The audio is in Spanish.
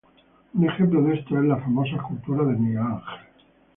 Un ejemplo de esto es la famosa escultura de Miguel Ángel.